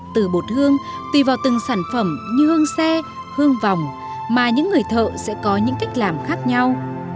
từ bột hương tùy vào từng sản phẩm như hương xe hương vòng mà những người thợ sẽ có những cách làm khác nhau